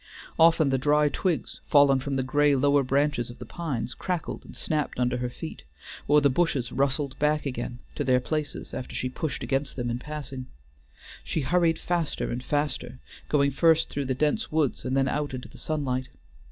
Often the dry twigs, fallen from the gray lower branches of the pines, crackled and snapped under her feet, or the bushes rustled backed again to their places after she pushed against them in passing; she hurried faster and faster, going first through the dense woods and then out into the sunlight.